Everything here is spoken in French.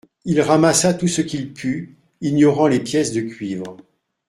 Il ramassa tout ce qu’il put, ignorant les pièces de cuivre